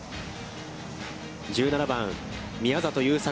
１７番、宮里優作。